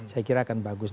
saya kira akan bagus